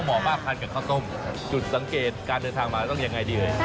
ออกบายพาร์ทเลยค่ะไม่เข้าเมือง